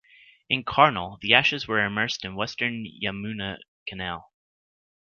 In Karnal, the ashes were immersed in Western Yamuna Canal.